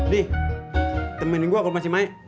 di temenin gua ke masi maik